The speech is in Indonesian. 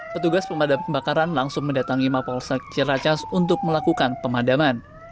petugas pemadam kebakaran langsung mendatangi mapolsek ciracas untuk melakukan pemadaman